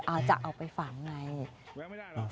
อาจจะเอาไปฝังอย่างไร